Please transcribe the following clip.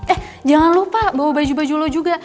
eh jangan lupa bawa baju baju lo juga